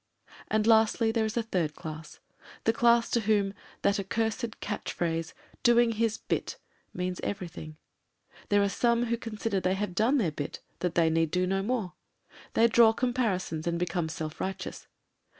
... And lastly there is a third class, the class to whom that accursed catch phrase, "Doing his bit," means everything. There are some who consider they have done their bit — that they need do no more. They draw comparisons and become self righteous.